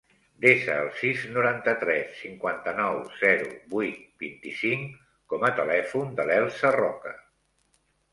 Desa el sis, noranta-tres, cinquanta-nou, zero, vuit, vint-i-cinc com a telèfon de l'Elsa Roca.